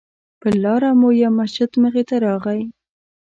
پر لاره مو یو مسجد مخې ته راغی.